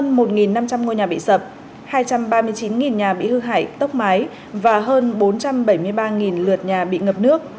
hơn một năm trăm linh ngôi nhà bị sập hai trăm ba mươi chín nhà bị hư hại tốc mái và hơn bốn trăm bảy mươi ba lượt nhà bị ngập nước